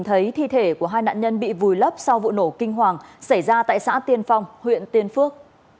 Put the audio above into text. thấy thi thể của hai nạn nhân bị vùi lấp sau vụ nổ kinh hoàng xảy ra tại xã tiên phong huyện tiên phước